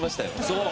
そう。